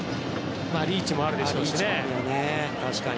リーチもあるでしょうしね。